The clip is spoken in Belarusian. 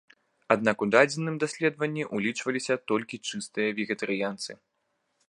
Аднак у дадзеным даследаванні ўлічваліся толькі чыстыя вегетарыянцы.